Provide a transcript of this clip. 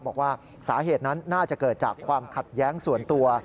บอกว่าสาเหตุนั้นน่าจะเกิดจากความขัดแย้งส่วนตัว